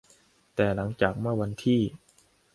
แต่หลังจากเมื่อวันที่